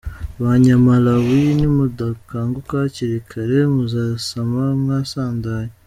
Ba nyamalawi, nimudakanguka hakiri kare muzisama mwasandaye.